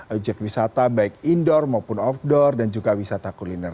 objek wisata baik indoor maupun outdoor dan juga wisata kuliner